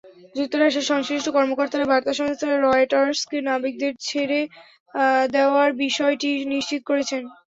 যুক্তরাষ্ট্রের সংশ্লিষ্ট কর্মকর্তারা বার্তা সংস্থা রয়টার্সকে নাবিকদের ছেড়ে দেওয়ার বিষয়টি নিশ্চিত করেছেন।